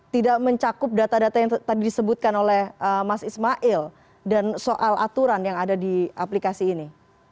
tidak mencakup data data yang tadi disebutkan oleh mas ismail dan soal aturan yang ada di aplikasi ini